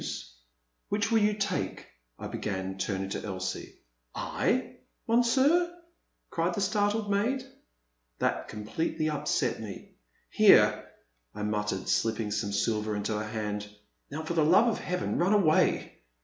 The Man at the Next Table. 393 Which will you take," I began, turning to Elsie. *' I ! Monsieur !'* cried the startled maid. That completely upset me. Here/* I mut tered, slipping some silver into her hand, now for the love of Heaven run away